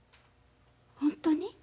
ほんとに？